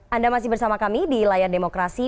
anda masih bersama kami di layar demokrasi